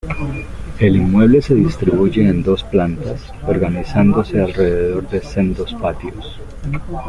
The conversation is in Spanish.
El inmueble se distribuye en dos plantas, organizándose alrededor de sendos patios.